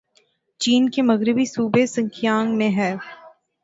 چین کے مغربی صوبے سنکیانگ میں ہے